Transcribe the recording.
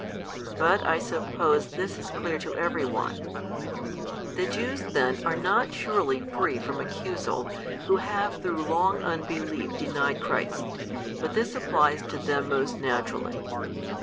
But I suppose this is clear to every one. The Jews then are not surely free from accusal who have through long unbelief denied Christ, but this applies to them most naturally.